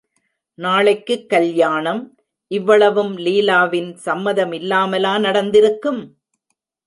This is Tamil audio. நாளைக்குக் கல்யாணம், இவ்வளவும் லீலாவின் சம்மதமில்லாமலா நடந்திருக்கும்?